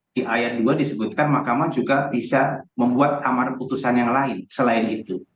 di ayat dua disebutkan mahkamah juga bisa membuat amar putusan yang lain selain itu